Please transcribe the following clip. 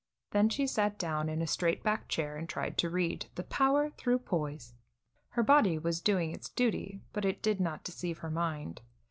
Then she sat down in a straight back chair and tried to read "The Power Through Poise." Her body was doing its duty, but it did not deceive her mind.